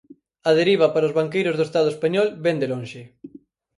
A deriva para os banqueiros do Estado español vén de lonxe.